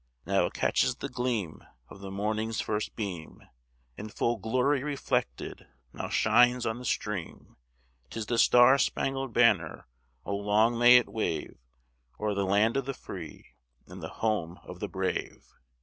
Now it catches the gleam of the morning's first beam, In full glory reflected now shines on the stream: 'Tis the star spangled banner! O long may it wave O'er the land of the free and the home of the brave!